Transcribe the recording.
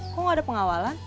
kok gak ada pengawalan